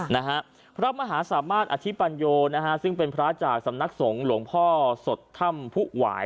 นะฮะพระมหาสามารถอธิปัญโยนะฮะซึ่งเป็นพระจากสำนักสงฆ์หลวงพ่อสดถ้ำผู้หวาย